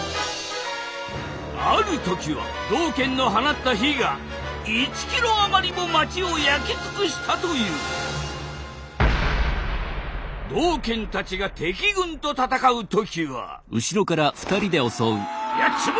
ある時は道賢の放った火が１キロ余りも町を焼き尽くしたという道賢たちが敵軍と戦う時はうお！